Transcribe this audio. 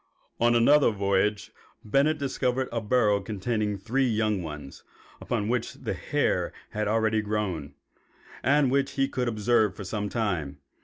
On another voyage Bennett discovered a burrow containing three young ones, upon which the hair had already grown, and which he could observe for some time.